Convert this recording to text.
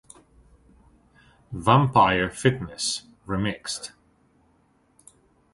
Vampire Fitness (Remixed)